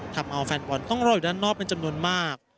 ทำเอาแฟนบอลต้องรออยู่ด้านนอกเป็นจำนวนมาก